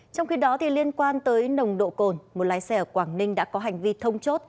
trong khi đó liên quan tới nồng độ cồn một lái xe ở quảng ninh đã có hành vi thông chốt